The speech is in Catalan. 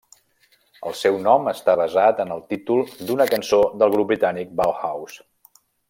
El seu nom està basat en el títol d'una cançó del grup britànic Bauhaus.